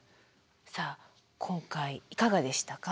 さあ今回いかがでしたか？